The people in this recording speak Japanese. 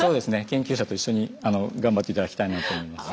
研究者と一緒にがんばって頂きたいなと思います。